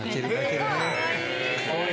・かわいい！